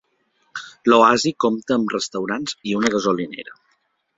L'oasi compta amb restaurants i una gasolinera.